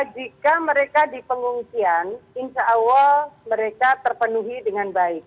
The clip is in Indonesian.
jika mereka di pengungsian insya allah mereka terpenuhi dengan baik